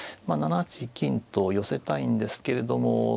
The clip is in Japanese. ７八金と寄せたいんですけれども。